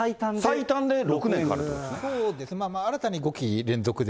最短で６年かかるということですね。